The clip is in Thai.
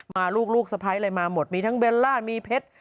มาลูกสไปร์ทอะไรมาหมดมีทั้งเบลล่ามีเผ็ด